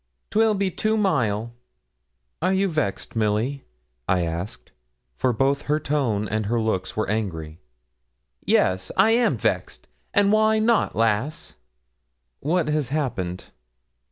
''Twill be two mile.' 'Are you vexed, Milly?' I asked, for both her tone and looks were angry. 'Yes, I am vexed; and why not lass?' 'What has happened?'